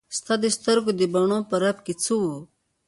ستا د سترګو د بڼو په رپ کې څه وو.